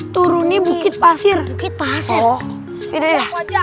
turunin bukit pasir bukit pasir